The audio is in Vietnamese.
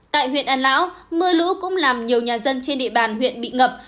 tại huyện an lão mưa lũ cũng làm nhiều nhà dân trên địa bàn huyện bị ngập